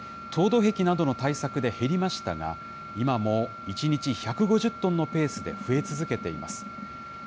凍土壁などの対策で減りましたが、今も１日１５０トンのペースで増え続けています。